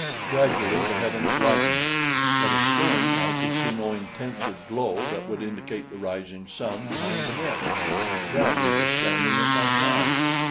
Gradually the heavens lightened; but astern I could see no intenser glow that would indicate the rising sun behind the mist. Bradley was standing at my side.